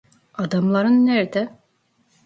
Adamların nerede?